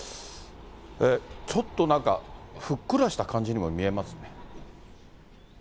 ちょっとなんか、ふっくらした感じにも見えますね。